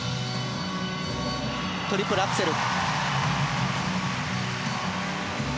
トリプルアクセル。